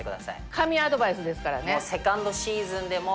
神アドバイスですからね。